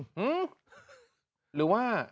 หื้อหรือว่า